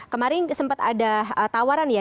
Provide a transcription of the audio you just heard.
kemarin sempat ada tawaran ya